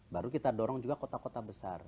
baru kita dorong juga kota kota besar